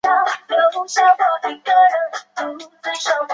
台湾裔澳洲人是指来自台湾并且入籍成为澳洲公民的人士。